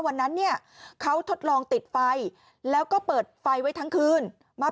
วันนั้นเนี่ยเขาทดลองติดไฟแล้วก็เปิดไฟไว้ทั้งคืนมา